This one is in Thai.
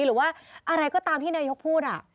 หรือว่าอะไรก็ตามที่นายกรัฐมนตรีก็พูด